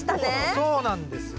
そうなんですよ。